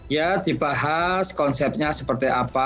ya dibahas konsepnya seperti apa